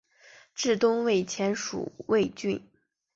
至东魏前属魏郡。